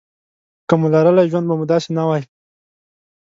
که مو لرلای ژوند به مو داسې نه وای.